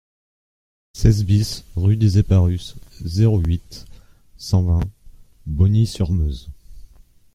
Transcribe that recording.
seize BIS rue des Eparus, zéro huit, cent vingt, Bogny-sur-Meuse